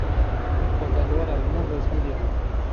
On croit alors à une invasion des Russes...